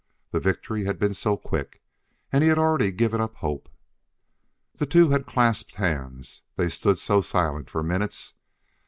The victory had been so quick, and he had already given up hope. The two had clasped hands; they stood so for silent minutes.